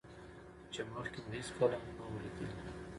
چې مخکې مو هېڅکله هم نه وو ليدلى.